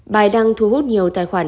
bài đăng thu hút nhiều tài khoản